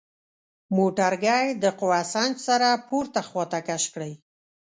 موټرګی د قوه سنج سره پورته خواته کش کړئ.